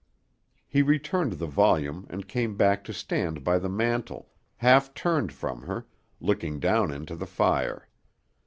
He returned the volume and came back to stand by the mantel, half turned from her, looking down into the fire.